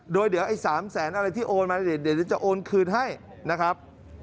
โดยเดี๋ยวไอ้๓แสนอะไรที่โอนมาเดี๋ยวจะโอนคืนให้นะครับ